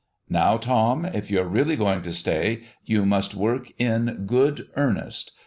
"Now, Tom, if you're really going to stay you must work in good earnest.